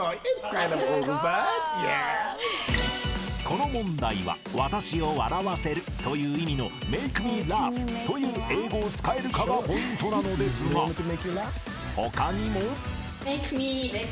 ［この問題は「私を笑わせる」という意味の「ｍａｋｅｍｅｌａｕｇｈ」という英語を使えるかがポイントなのですが他にも］